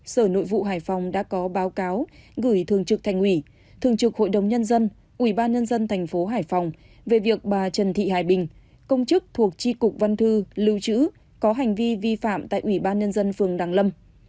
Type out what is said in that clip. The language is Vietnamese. sở nội vụ hải phòng đã có báo cáo gửi thường trực thành ủy thường trực hội đồng nhân dân ubnd thành phố hải phòng về việc bà trần thị hải bình công chức thuộc tri cục văn thư lưu trữ có hành vi vi phạm tại ubnd phường đăng lâm